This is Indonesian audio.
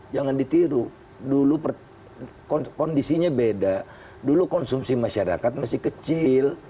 jangan ditiru dulu kondisinya beda dulu konsumsi masyarakat masih kecil